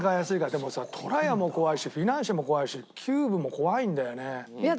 でもさとらやも怖いしフィナンシェも怖いしキューブも怖いんだよね。